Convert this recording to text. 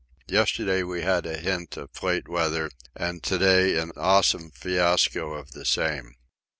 Yesterday we had a hint of Plate weather, and to day an awesome fiasco of the same.